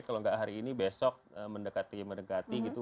kalau enggak hari ini besok mendekati medekati gitu